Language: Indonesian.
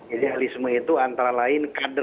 idealisme itu antara lain kader